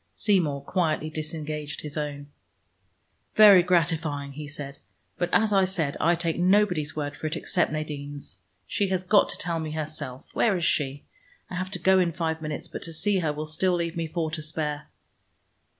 Seymour quietly disengaged his own. "Very gratifying," he said, "but as I said, I take nobody's word for it, except Nadine's. She has got to tell me herself. Where is she? I have to go in five minutes, but to see her will still leave me four to spare."